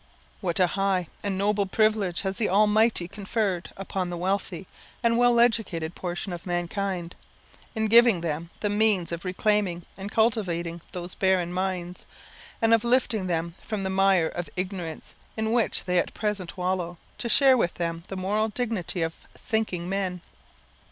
What a high and noble privilege has the Almighty conferred upon the wealthy and well educated portion of mankind, in giving them the means of reclaiming and cultivating those barren minds, and of lifting them from the mire of ignorance in which they at present wallow, to share with them the moral dignity of thinking men!